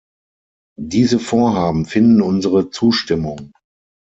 Diese Vorhaben finden unsere Zustimmung.